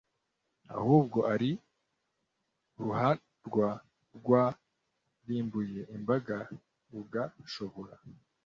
ahubwo ari ruharwa rwarimbuye imbaga rugashobora